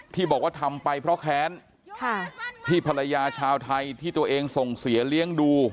ที่บอกว่าทำไปเพราะแค้นที่ภรรยาชาวไทยที่ตัวเองส่งเสียเลี้ยงดู